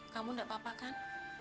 kamu enggak apa apa kan